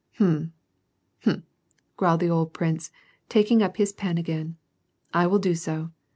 " Hm ! hm !" growled the old prince, taking up his pen again. " I will do so."